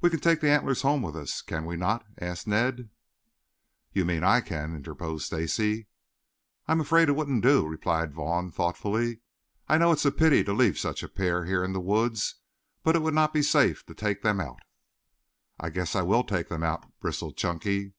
"We can take the antlers home with us, can we not?" asked Ned. "You mean I can," interposed Stacy. "I am afraid it wouldn't do," replied Vaughn thoughtfully. "I know it is a pity to leave such a pair here in the woods, but it would not be safe to take them out." "I guess I will take them out," bristled Chunky.